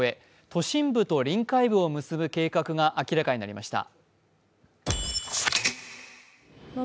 都心部と臨海部を結ぶ計画が明らかになりました。